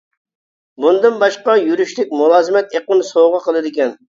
بۇندىن باشقا يۈرۈشلۈك مۇلازىمەت ئېقىم سوغا قىلىدىكەن.